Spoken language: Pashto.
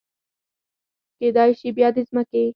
کیدای شي بیا د مځکې